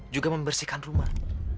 juga membersihkan rumah